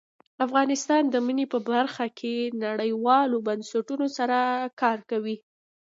افغانستان د منی په برخه کې نړیوالو بنسټونو سره کار کوي.